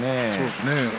そうですね。